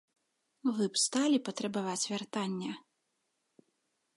Вы б сталі патрабаваць вяртання?